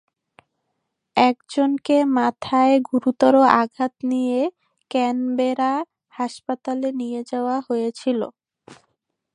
একজনকে মাথায় গুরুতর আঘাত নিয়ে ক্যানবেরা হাসপাতালে নিয়ে যাওয়া হয়েছিল।